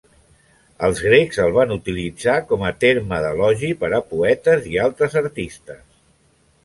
Els grecs el van utilitzar com a terme d'elogi per a poetes i altres artistes.